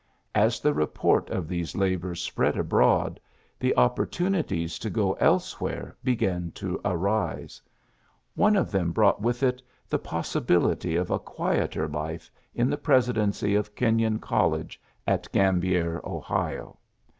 As the report of these labors spread abroad, the opportu nities to go ebewhere began to arise. One of them brought with it the possi bility of a quieter life in the presidency of Kenyon College at Grambier, Ohio.